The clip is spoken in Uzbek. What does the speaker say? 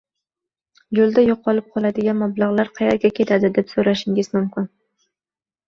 Yo‘lda yo‘qolib qoladigan mablag‘lar qayerga ketadi deb so‘rashingiz mumkin.